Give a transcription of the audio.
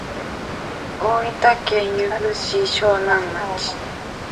大分県由布市庄内町